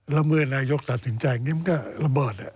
แล้วเมื่อนายกตัดสินใจอย่างนี้มันก็ระเบิด